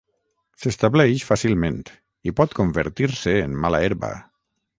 S'estableix fàcilment i pot convertir-se en mala herba.